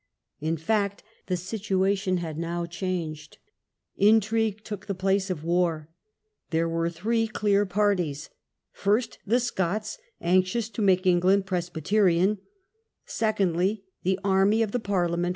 In fact, the situation had now changed. Intrigue took the place of war. There were three clear parties : first, Altered char ^^^ Scots, anxious to make England Presby acterofthe terian; secondly, the army of the Parliament situation.